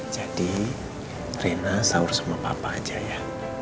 jadi rena sahur sama papa aja ya